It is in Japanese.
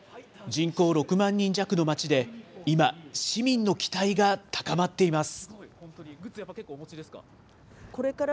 人口６万人弱の街で今、市民の期待が高まっています。